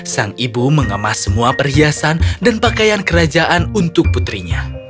sang ibu mengemas semua perhiasan dan pakaian kerajaan untuk putrinya